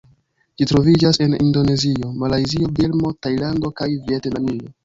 Ĝi troviĝas en Indonezio, Malajzio, Birmo, Tajlando kaj Vjetnamio.